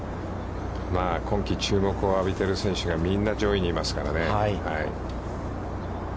今季、注目を浴びている選手がみんな上位にいますからね。